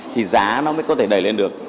thì giá nó mới có thể đẩy lên được